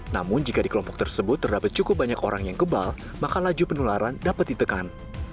namun jika di kelompok tersebut terdapat cukup banyak orang yang kebal maka laju penularan dapat ditekan